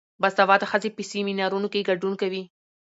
باسواده ښځې په سیمینارونو کې ګډون کوي.